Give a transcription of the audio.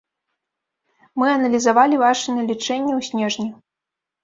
Мы аналізавалі вашы налічэнні ў снежні.